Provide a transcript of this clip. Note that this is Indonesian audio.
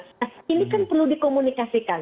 nah ini kan perlu dikomunikasikan